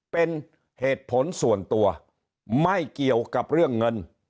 เป็นเหตุผลส่วนตัวไม่เกี่ยวกับเรื่องเงิน